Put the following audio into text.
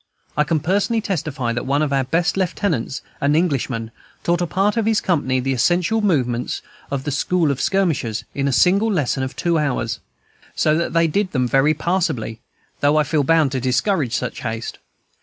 I can personally testify that one of our best lieutenants, an Englishman, taught a part of his company the essential movements of the "school for skirmishers" in a single lesson of two hours, so that they did them very passably, though I feel bound to discourage such haste.